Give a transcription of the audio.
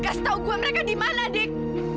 kasih tau gue mereka dimana dik